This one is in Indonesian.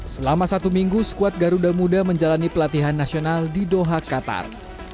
selama satu minggu skuad garuda muda menjalani pelatihan nasional di doha qatar